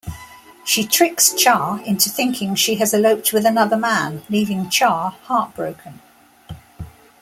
She tricks Char into thinking she has eloped with another man, leaving Char heartbroken.